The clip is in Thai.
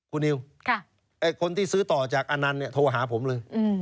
คุณนิวคนที่ซื้อต่อจากอนันต์เนี่ยโทรหาผมเลย